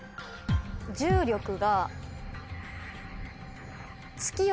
重力が。